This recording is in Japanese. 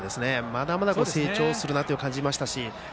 まだまだ成長するなと感じましたし